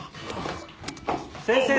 先生